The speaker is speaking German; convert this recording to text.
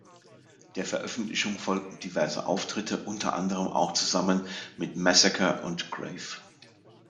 Der Veröffentlichung folgten diverse Auftritte, unter anderem auch zusammen mit Massacre und Grave.